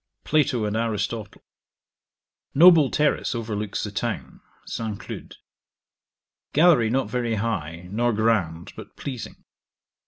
Plato and Aristotle Noble terrace overlooks the town. St. Cloud. Gallery not very high, nor grand, but pleasing.